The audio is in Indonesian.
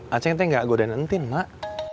aceh ntar gak godain ntin mak